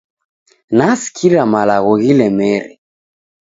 Nasikira malagho ghilemere